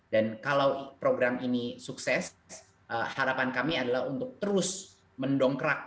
dan kalau program ini sukses harapan kami adalah untuk terus mendongkrak